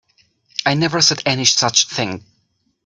I never said any such thing.